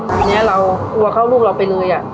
ตอนเนี้ยเราลัวเข้าลูกเราไปเลยอ่ะ